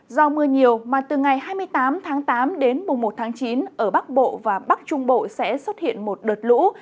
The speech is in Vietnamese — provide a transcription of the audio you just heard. do mưa nhiều mà từ ngày hai mươi tám tháng tám đến mùng một tháng chín ở bắc bộ và bắc trung bộ sẽ xuất hiện một đợt lũ